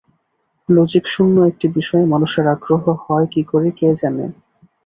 লজিকশূন্য একটি বিষয়ে মানুষের আগ্রহ হয় কি করে কে জানে!